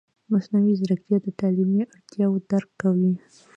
مصنوعي ځیرکتیا د تعلیمي اړتیاوو درک کوي.